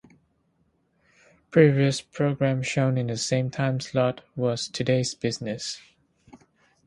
Previous program shown in the same time slot was Today's Business.